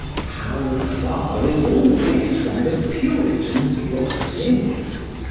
] How far is all this from the Puritan view of sin!